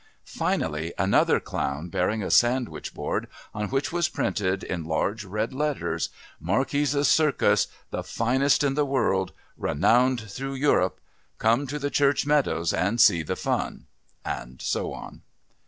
Finally, another clown bearing a sandwich board on which was printed in large red letters "Marquis' Circus the Finest in the World Renowned through Europe Come to the Church Meadows and see the Fun" and so on.